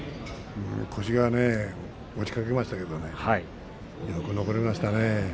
腰がね落ちかけましたけどよく残りましたね。